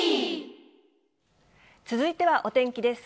続いてはお天気です。